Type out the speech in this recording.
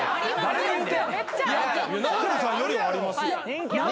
ナダルさんよりはありますよ。